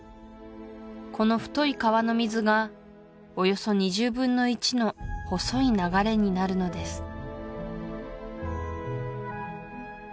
この太い川の水がおよそ２０分の１の細い流れになるのです